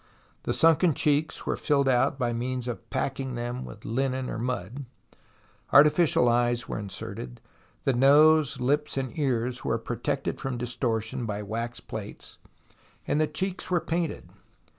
The sunken cheeks were filled out by means of packing them with linen or mud, artificial eyes were inserted, the nose, lips, and ears were protected from dis tortion by wax plates, and the cheeks were painted.